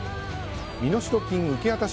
身代金受け渡し